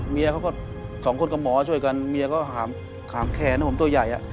เมียเขาก็สองคนกับหมอช่วยกันเมียเขาหาข่าวแขนตัวใหญ่